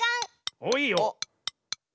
おっいいよ。